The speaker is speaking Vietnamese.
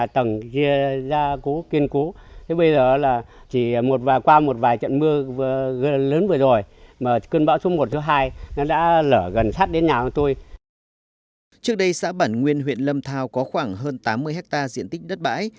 trước đây xã bản nguyên huyện lâm thao có khoảng hơn tám mươi hectare diện tích đất bãi